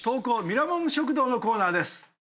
ミラモン食堂のコーナーです。